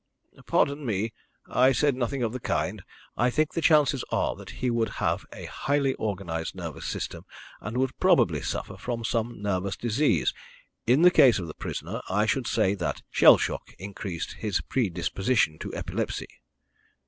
"Pardon me, I said nothing of the kind. I think the chances are that he would have a highly organised nervous system, and would probably suffer from some nervous disease. In the case of the prisoner, I should say that shell shock increased his predisposition to epilepsy."